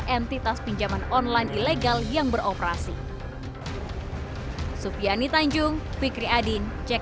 empat ratus empat puluh dua entitas pinjaman online ilegal yang beroperasi